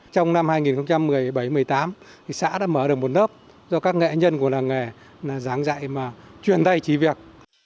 trong năm hai nghìn một mươi bảy một mươi tám thì xã đã mở được một lớp do các nghệ nhân của làng nghề giáng dạy mà chuyển tay trí việc